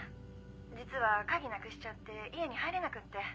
実は鍵なくしちゃって家に入れなくって。